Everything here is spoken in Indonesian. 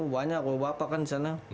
banyak bapak kan disana